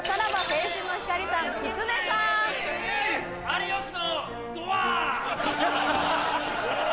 有吉のドア！